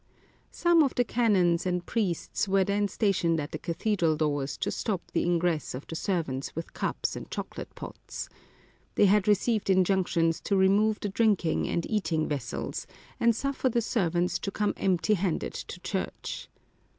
Some of the canons and priests were then stationed at the cathedral doors to stop the ingress of the servants with cups and chocolate pots. They had received injunctions to remove the drinking and eating vessels, and suffer the servants to come empty handed to church.